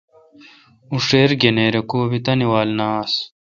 اوں ݭیر گنیر کو بی تانے وال ن آس۔